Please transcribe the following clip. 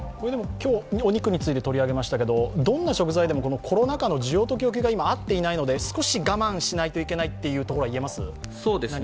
今日、お肉について取り上げましたけどどんな食材でもコロナ禍の需要と供給が合っていないので、少し我慢しないといけないというところはいえますか？